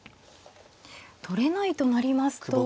取れないとなりますと。